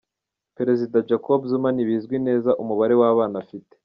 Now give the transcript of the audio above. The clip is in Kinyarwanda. Perezida Jacob Zuma ntibizwi neza umubare w’abana afite.